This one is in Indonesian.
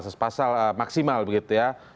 sesepasal maksimal begitu ya